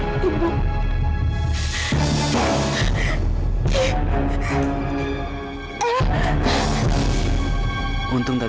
aku mau harap